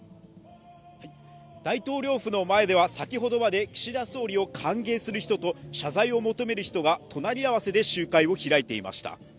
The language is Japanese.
大統領府の前では先ほどまで岸田総理を歓迎する人と謝罪を求める人が隣り合わせで集会を開いていました。